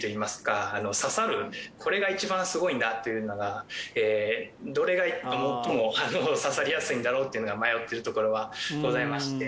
これがいちばんすごいんだっていうのがどれが最もささりやすいんだろうっていうのが迷っているところはございまして。